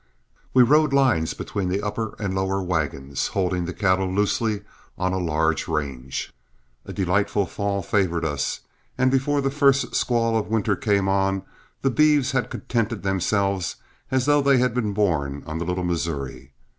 We rode lines between the upper and lower wagons, holding the cattle loosely on a large range. A delightful fall favored us, and before the first squall of winter came on, the beeves had contented themselves as though they had been born on the Little Missouri.